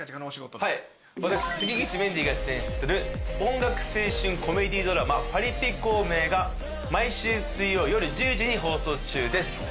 私関口メンディーが出演する音楽青春コメディードラマ『パリピ孔明』が毎週水曜夜１０時に放送中です。